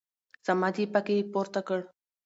صمد يې په کې پورته کړ.